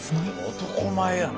男前やな。